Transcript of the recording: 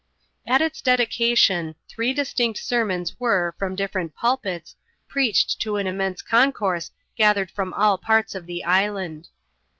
At its dedication, three distinct sermons were, from different pulpits, preached to an immense concourse gathered from all parts of the island.